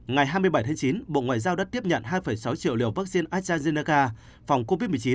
ngày hai mươi bảy tháng chín bộ ngoại giao đã tiếp nhận hai sáu triệu liều vaccine astrazeneca phòng covid một mươi chín